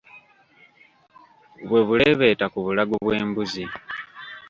Bwe buleebeeta ku bulago bw'embuzi.